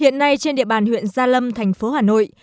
ngay trên địa bàn huyện gia lâm thành phố hà nội